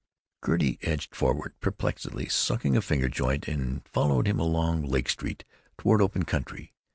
Gertie edged forward, perplexedly sucking a finger joint, and followed him along Lake Street toward open country.